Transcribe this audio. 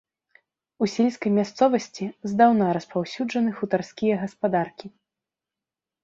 У сельскай мясцовасці здаўна распаўсюджаны хутарскія гаспадаркі.